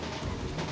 aku mau ke rumah